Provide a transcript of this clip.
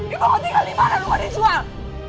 ibu mau tinggal dimana lu mau dicual